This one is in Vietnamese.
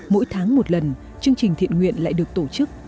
mỗi tháng một lần chương trình thiện nguyện lại được tổ chức